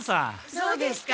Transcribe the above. そうですか。